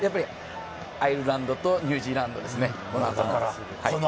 アイルランドとニュージーランドですね、この後の。